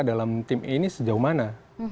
dalam tim ini sejauh mana